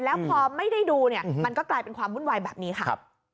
แล้วพอไม่ได้ดูเนี่ยมันก็กลายเป็นความวุ่นวายแบบนี้ค่ะ